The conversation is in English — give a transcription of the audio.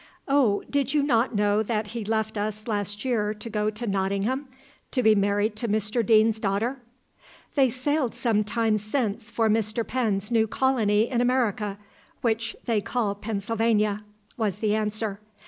"Oh, did you not know that he left us last year to go to Nottingham, to be married to Mr Deane's daughter? They sailed some time since for Mr Penn's new colony in America, which they call Pennsylvania," was the answer.